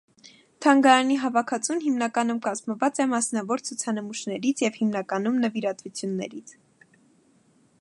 Թանգարանի հավաքածուն հիմնականում կազմված է մասնավոր ցուցանմուշներից և հիմնականում նվիրատվություններից։